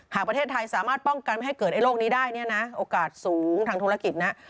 หากประเทศไทยสามารถป้องกันให้เกิดโรคนี้ได้โอกาสสูงทางธุรกิจนะ